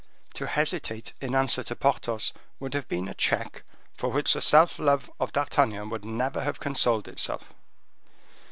To hesitate in answer to Porthos would have been a check, for which the self love of D'Artagnan would never have consoled itself.